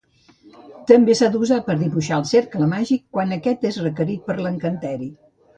També s'ha d'usar per dibuixar el cercle màgic quan aquest és requerit per l'encanteri.